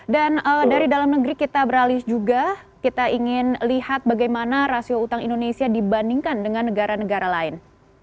dan dari dalam negeri kita beralih juga kita ingin lihat bagaimana rasio utang indonesia dibandingkan dengan negara negara lain